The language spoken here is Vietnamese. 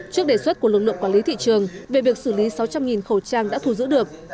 trước đề xuất của lực lượng quản lý thị trường về việc xử lý sáu trăm linh khẩu trang đã thu giữ được